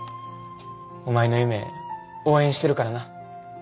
お前の夢応援してるからな。